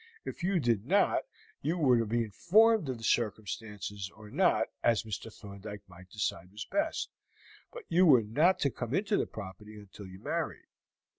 If you did not you were to be informed of the circumstances or not, as Mr. Thorndyke might decide was best, but you were not to come into the property until you married.